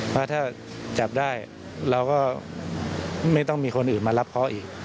เพราะถ้าจับได้เราก็ไม่ต้องมีคนอื่นมารับเขาอีก